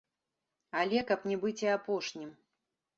Але каб не быць і апошнім.